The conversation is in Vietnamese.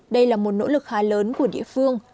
đây là một nỗ lực khá lớn của địa phương